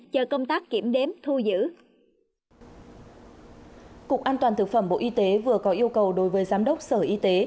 chờ công tác kiểm đếm thu giữ cục an toàn thực phẩm bộ y tế vừa có yêu cầu đối với giám đốc sở y tế